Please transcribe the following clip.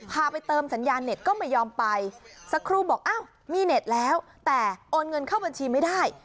ไปเติมสัญญาเน็ตก็ไม่ยอมไปสักครู่บอกอ้าวมีเน็ตแล้วแต่โอนเงินเข้าบัญชีไม่ได้